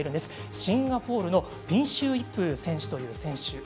シンガポールのピンシュー・イップという選手。